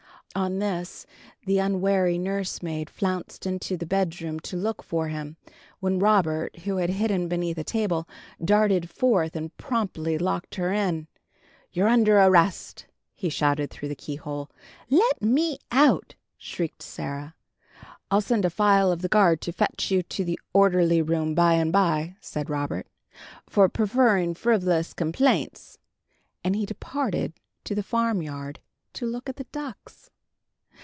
On this the unwary nursemaid flounced into the bed room to look for him, when Robert, who was hidden beneath a table, darted forth, and promptly locked her in. "You're under arrest," he shouted, through the keyhole. "Let me out!" shrieked Sarah. "I'll send a file of the guard to fetch you to the orderly room, by and by," said Robert, "for 'preferring frivolous complaints.'" And he departed to the farmyard to look at the ducks.